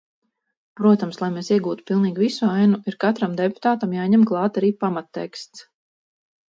Protams, lai mēs iegūtu pilnīgi visu ainu, ir katram deputātam jāņem klāt arī pamatteksts.